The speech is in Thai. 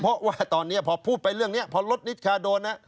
เพราะว่าตอนนี้พอพูดไปเรื่องนี้พอลดนิดคาโดนนะ